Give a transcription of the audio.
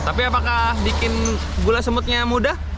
tapi apakah bikin gula semutnya mudah